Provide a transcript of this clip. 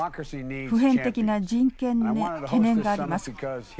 普遍的な人権の懸念があります。